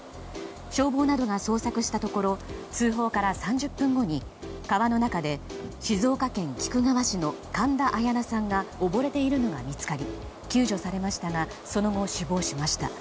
消防などが捜索したところ通報から３０分後に川の中で静岡県菊川市の神田彩陽奈さんがおぼれているのが見つかり救助されましたがその後、死亡しました。